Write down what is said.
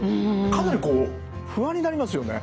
かなりこう不安になりますよね。